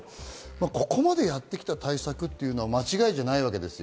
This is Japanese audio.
ここまでやってきた対策は間違いじゃないわけです。